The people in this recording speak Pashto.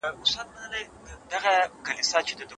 د حاصل ټولول د جشن په څېر وي.